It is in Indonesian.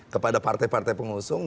kepada partai partai pengusung